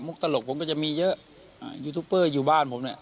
ตลกผมก็จะมีเยอะอ่ายูทูปเปอร์อยู่บ้านผมเนี่ย